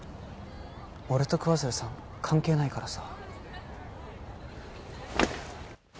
俺と桑鶴さん関係ないからさ